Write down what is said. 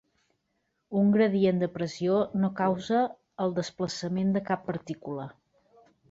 Un gradient de pressió no causa el desplaçament de cap partícula.